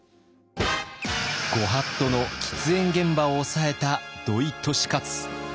ご法度の喫煙現場を押さえた土井利勝！